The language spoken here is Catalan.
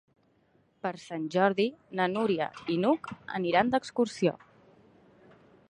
Per Sant Jordi na Núria i n'Hug aniran d'excursió.